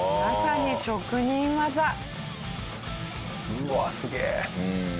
うわっすげえ！